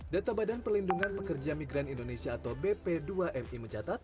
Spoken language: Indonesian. data badan pelindungan pekerja migran indonesia atau bp dua mi mencatat